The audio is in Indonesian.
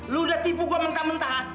lu udah tipu gua mentah mentah ha